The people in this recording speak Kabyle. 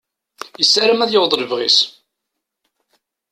Yessaram ad yaweḍ lebɣi-s.